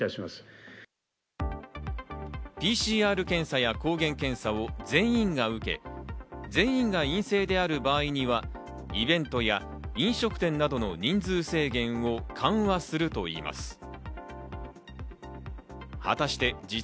ＰＣＲ検査や抗原検査を全員が受け、全員が陰性である場合にはイベントや飲食店などの人数制限を緩和するといいます。